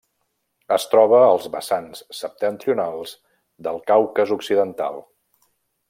Es troba als vessants septentrionals del Caucas occidental.